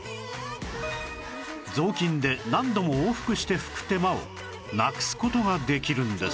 雑巾で何度も往復して拭く手間をなくす事ができるんです